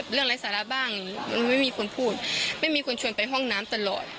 ไร้สาระบ้างมันไม่มีคนพูดไม่มีคนชวนไปห้องน้ำตลอด